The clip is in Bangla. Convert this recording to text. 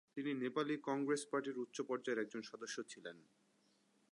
তিনি নেপালী কংগ্রেস পার্টির উচ্চ পর্যায়ের একজন সদস্য ছিলেন।